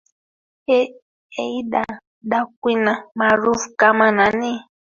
eida daquna maarufu kama nani